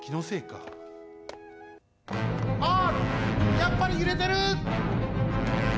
やっぱりゆれてる！